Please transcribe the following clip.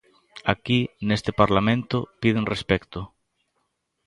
Aquí, neste Parlamento, piden respecto.